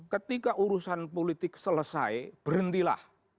ketika urusan politik selesai berhentilah